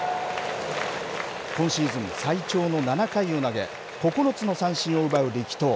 今シーズン最長の７回を投げ、９つの三振を奪う力投。